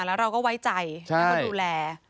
แล้วเราก็ไว้ใจให้เขาดูแล